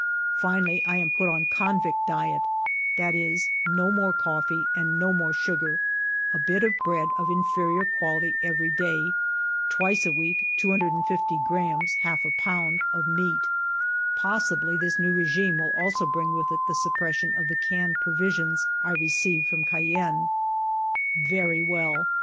Finally 1 am put on convict diet, — that is, no more coffee and no more sugar; a bit of bread of inferior quality every day. Twice a week 250 grammes (half a pound) of meat. Possibly this new regime will also bring with it the suppression of the canned provisions 1 received from Cayenne. Very well